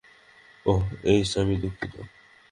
ওহ, Ace, আমি দুঃখিত।